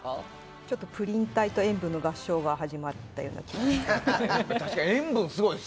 ちょっとプリン体と塩分の合唱が始まった感じです。